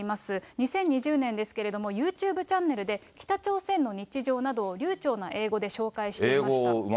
２０２０年ですけれども、ユーチューブチャンネルで、北朝鮮の日常などを流ちょうな英語で紹介していました。